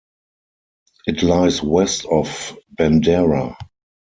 It lies west of Bandera.